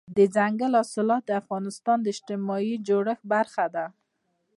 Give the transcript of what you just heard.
دځنګل حاصلات د افغانستان د اجتماعي جوړښت برخه ده.